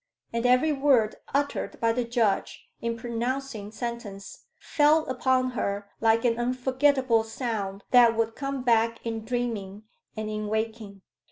And every word uttered by the judge in pronouncing sentence fell upon her like an unforgetable sound that would come back in dreaming and in waking.